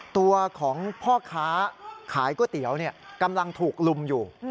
ตัวของพ่อค้าขายก๋วยเตี๋ยวกำลังถูกลุมอยู่